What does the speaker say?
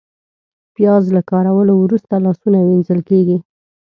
پیاز له کارولو وروسته لاسونه وینځل کېږي